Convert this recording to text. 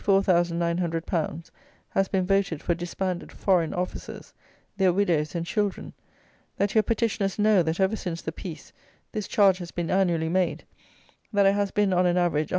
_ has been voted for disbanded foreign officers, their widows and children; that your petitioners know that ever since the peace this charge has been annually made; that it has been on an average 110,000_l.